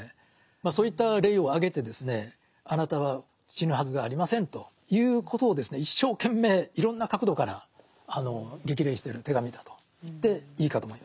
そういった例を挙げてですねあなたは死ぬはずがありませんということをですね一生懸命いろんな角度から激励してる手紙だと言っていいかと思いますね。